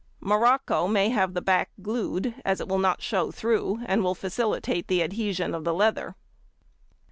Morocco may have the back glued, as it will not show through, and will facilitate the adhesion of the leather.